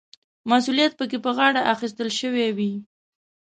مسوولیت پکې په غاړه اخیستل شوی وي.